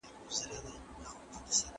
زه اوږده وخت بازار ته ځم وم!